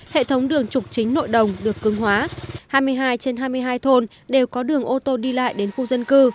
hệ thống đường trục chính nội đồng được cưng hóa hai mươi hai trên hai mươi hai thôn đều có đường ô tô đi lại đến khu dân cư